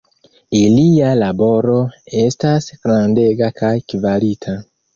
Ilia laboro estas grandega kaj kvalita.